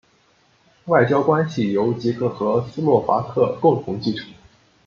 外交关系由捷克和斯洛伐克共同继承。